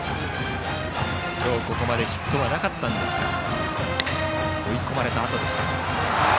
今日ここまでヒットがなかったんですが追い込まれたあとでした。